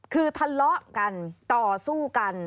คือทะเลาะกันต่อสู้กัน